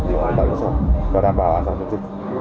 đảm bảo an toàn dịch